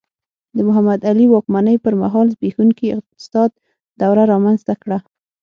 د محمد علي واکمنۍ پر مهال زبېښونکي اقتصاد دوره رامنځته کړه.